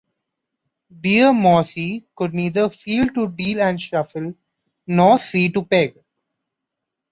Dear Mossy could neither feel to deal and shuffle, nor see to peg.